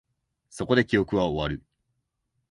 そこで、記憶は終わる